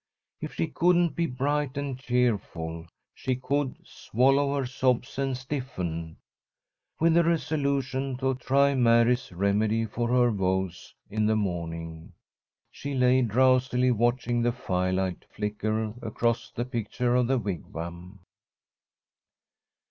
If she couldn't be bright and cheerful, she could "swallow her sobs and stiffen." With the resolution to try Mary's remedy for her woes in the morning, she lay drowsily watching the firelight flicker across the picture of the Wigwam.